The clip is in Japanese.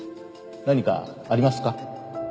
何かありますか？